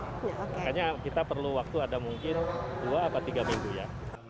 makanya kita perlu waktu ada mungkin dua atau tiga minggu ya